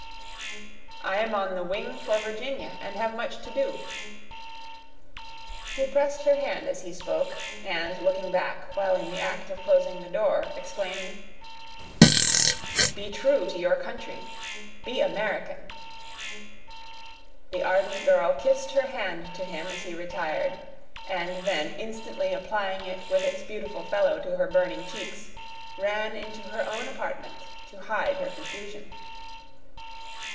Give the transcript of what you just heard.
"I am on the wing for Virginia, and have much to do." He pressed her hand as he spoke, and looking back, while in the act of closing the door, exclaimed, "Be true to your country—be American." The ardent girl kissed her hand to him as he retired, and then instantly applying it with its beautiful fellow to her burning cheeks, ran into her own apartment to hide her confusion.